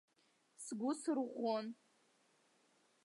Сгәы сырӷәӷәон.